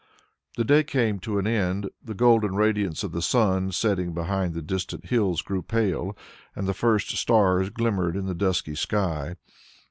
The day came to an end, the golden radiance of the sun setting behind the distant hills grew pale, and the first stars glimmered in the dusky sky.